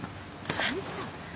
あんた！